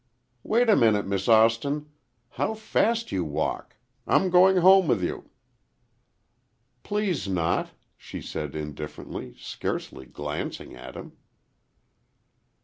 "Wait a minute, Miss Austin. How fast you walk! I'm going home with you." "Please not," she said, indifferently, scarcely glancing at him.